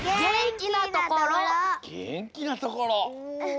「げんきなところ」。